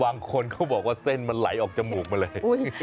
บางคนเขาบอกว่าเส้นมันไหลออกจมูกมาเลย